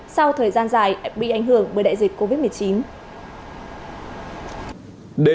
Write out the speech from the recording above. sau thời gian dài bị ảnh hưởng bởi đại dịch covid một mươi chín